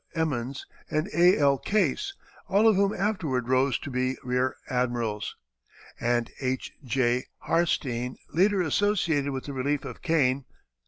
Emmons, and A. L. Case, all of whom afterward rose to be rear admirals, and H. J. Harstene, later associated with the relief of Kane.